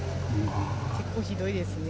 結構ひどいですね。